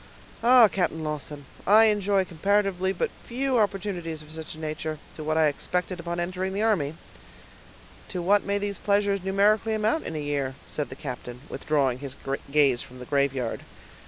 Ah! Captain Lawton, I enjoy comparatively but few opportunities of such a nature, to what I expected on entering the army." "To what may these pleasures numerically amount in a year?" said the captain, withdrawing his gaze from the graveyard.